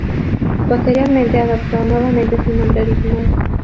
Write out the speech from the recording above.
Posteriormente adoptó nuevamente su nombre original.